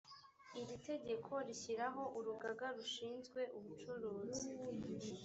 iri tegeko rishyiraho urugaga rushinzwe ubucuruzi.